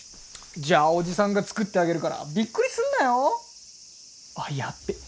じゃあ叔父さんが作ってあげるからびっくりすんなよ！？あっやっべ！